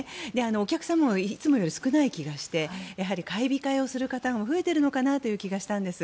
お客様もいつもより少ない気がして買い控えしている方が増えているのかなという気がしたんです。